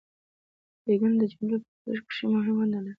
قیدونه د جملې په جوړښت کښي مهمه ونډه لري.